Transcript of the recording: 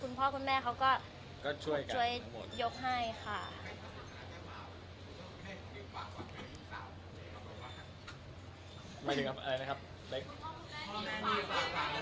คุณพ่อคุณแม่เขาก็ช่วยยกให้ค่ะ